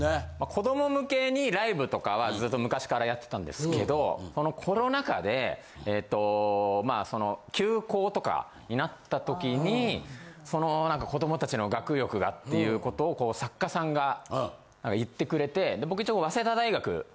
子ども向けにライブとかはずっと昔からやってたんですけどこのコロナ禍でえっとまあその休校とかになった時にその子どもたちの学力がっていうことをこう作家さんが言ってくれて僕一応。